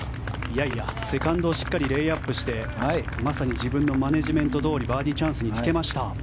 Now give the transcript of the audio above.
セカンドしっかりレイアップしてまさに自分のマネジメントどおりバーディーチャンスにつけました。